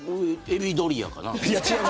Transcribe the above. エビドリアかな。